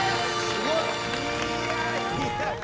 すごい！